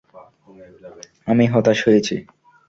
আমি হতাশ হয়েছি।